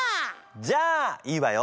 じゃあいいわよ。